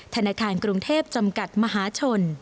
ธนาคารกรุงเทพจำกัดมหาชน